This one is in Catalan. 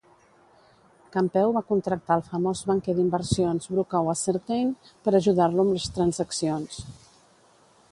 Campeu va contractar el famós banquer d"inversions Bruca Wassertein per ajudar-lo amb les transaccions.